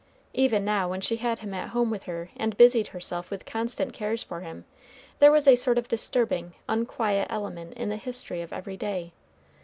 Even now, when she had him at home with her and busied herself with constant cares for him, there was a sort of disturbing, unquiet element in the history of every day.